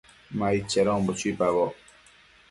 Ma aid chedonbo chuipaboc